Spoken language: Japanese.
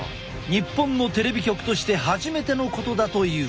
日本のテレビ局として初めてのことだという。